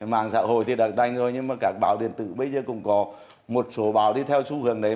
mạng xã hội thì đã đành rồi nhưng mà các báo điện tử bây giờ cũng có một số báo đi theo xu hướng đấy